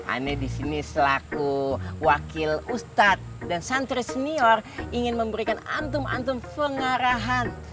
ana di sini selaku wakil ustad dan santri senior ingin memberikan antum antum pengarahan